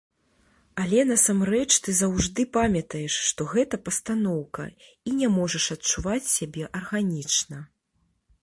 Але насамрэч ты заўжды памятаеш, што гэта пастаноўка і не можаш адчуваць сябе арганічна.